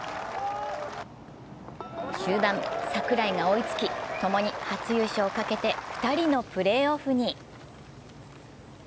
終盤、櫻井が追いつき、共に初優勝をかけて２人のプレーオフに。